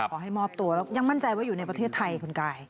ขอให้มอบตัวแล้วยังมั่นใจว่าอยู่ในประเทศไทยคุณกาย